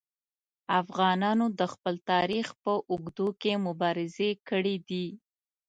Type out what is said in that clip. افغانانو د خپل تاریخ په اوږدو کې مبارزې کړي دي.